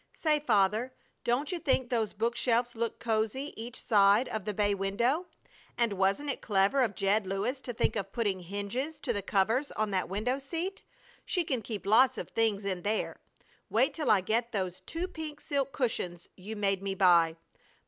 Say, Father, don't you think those book shelves look cozy each side of the bay window? And wasn't it clever of Jed Lewis to think of putting hinges to the covers on that window seat? She can keep lots of things in there! Wait till I get those two pink silk cushions you made me buy.